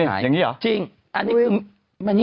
กันชาอยู่ในนี้